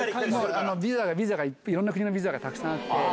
ビザが、いろんな国のビザがたくさんあって。